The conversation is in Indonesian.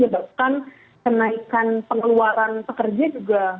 ya bahkan kenaikan pengeluaran pekerja juga